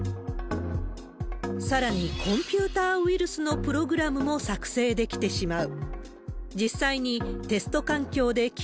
さらに、コンピューターウイルスのプログラムも作成できてしまう。